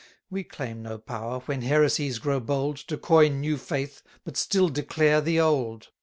We claim no power, when heresies grow bold, To coin new faith, but still declare the old.